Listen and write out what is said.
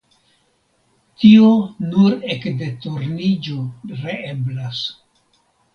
Tio nur ekde Turniĝo reeblas.